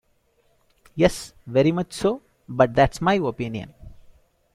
Yes, very much so, but that's my opinion.